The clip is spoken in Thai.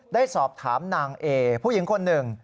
ได้สอบถามนางเอผู้หญิงคนหนึ่ง